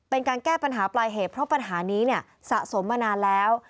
เป็นการแก้ปัญหาปลายเหตุเพราะปัญหานี้เนี่ยสะสมมานานแล้ว